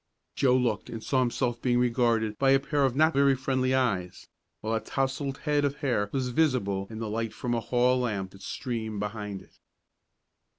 Joe looked, and saw himself being regarded by a pair of not very friendly eyes, while a tousled head of hair was visible in the light from a hall lamp that streamed from behind it.